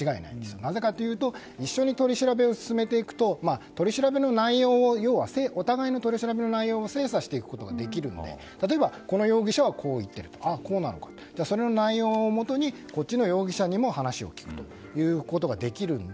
なぜかというと一緒に取り調べを進めていくとお互いの取り調べの内容を精査していけるので例えばこの容疑者はこう言ってるその内容をもとにこっちの容疑者にも話を聞くことができるので。